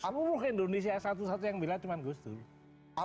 semua indonesia satu satunya yang membela cuma gus durlah